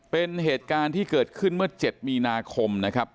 เป็นเหตุการณ์ที่เกิดขึ้นเมื่อ๗มีนาคมนะครับ